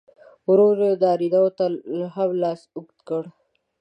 ورو ورو یې نارینه و ته هم لاس اوږد کړ.